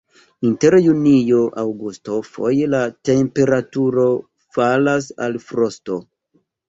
Inter junio-aŭgusto foje la temperaturo falas al frosto.